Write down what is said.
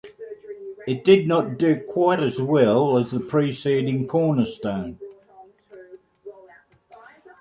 It did not do quite as well as the preceding "Cornerstone".